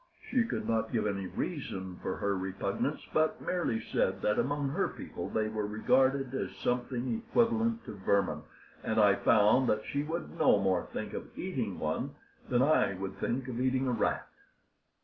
She could not give any reason for her repugnance, but merely said that among her people they were regarded as something equivalent to vermin, and I found that she would no more think of eating one than I would think of eating a rat.